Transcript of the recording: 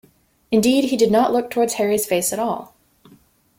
Indeed, he did not look towards Harry's face at all.